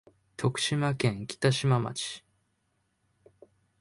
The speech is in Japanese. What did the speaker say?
徳島県北島町